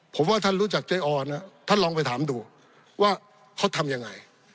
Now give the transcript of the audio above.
ผมว่าท่านรู้จักเจ๊ออนท่านลองไปถามดูว่าเขาทำยังไง